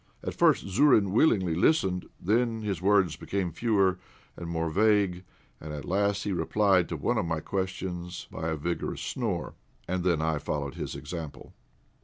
At first Zourine willingly listened, then his words became fewer and more vague, and at last he replied to one of my questions by a vigorous snore, and I then followed his example.